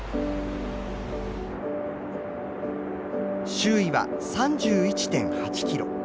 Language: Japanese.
周囲は３１．８キロ。